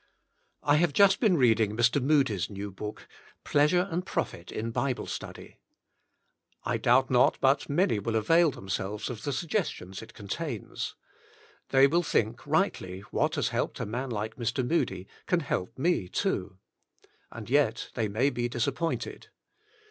I have just been reading Mr. Moody's new book, " Pleasure and Profit in Bible Study." I doubt not but many will avail themselves of the suggestions it contains. They will think rightly, what has helped a man like Mr. Moody, can help me too. And yet they may be disappointed.